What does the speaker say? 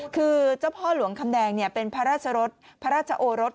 คือเจ้าพ่อหลวงคำแดงเป็นพระราชโอรส